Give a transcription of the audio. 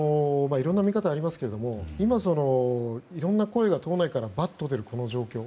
いろんな見方がありますが今、いろんな声が党内からばっと出るこの状況。